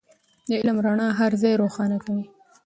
د علم رڼا هر ځای روښانه کوي.